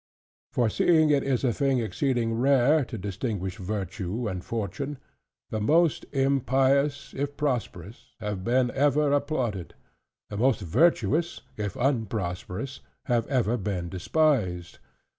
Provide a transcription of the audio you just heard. For seeing it is a thing exceeding rare, to distinguish Virtue and Fortune: the most impious (if prosperous) have ever been applauded; the most virtuous (if unprosperous) have ever been despised.